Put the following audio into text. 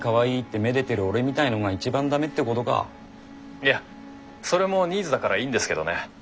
いやそれもニーズだからいいんですけどね。